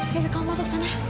yaudah kamu masuk ke sana